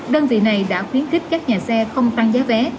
đơn vị này đã khuyến khích các nhà xe không tăng giá vé